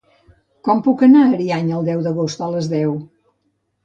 Com puc anar a Ariany el deu d'agost a les deu?